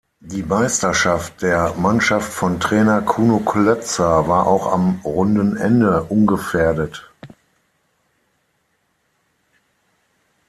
Die Meisterschaft der Mannschaft von Trainer Kuno Klötzer war auch am Rundenende ungefährdet.